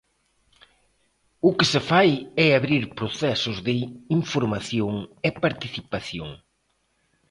O que se fai é abrir procesos de información e participación.